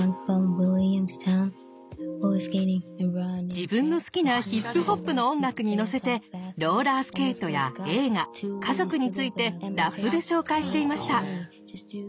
自分の好きなヒップホップの音楽にのせてローラースケートや映画家族についてラップで紹介していました。